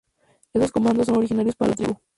Estos comandos son originarios para la tribu.